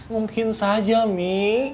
mungkin saja mi